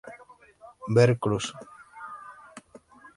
Ver cruz.